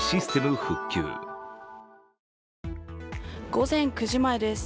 午前９時前です。